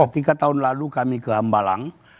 tiga tahun lalu kami ke hambalang